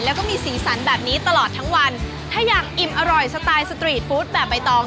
แล้วก็มีสีสันแบบนี้ตลอดทั้งวันถ้าอยากอิ่มอร่อยสไตล์สตรีทฟู้ดแบบใบตอง